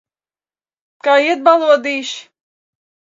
Kā iet, balodīši?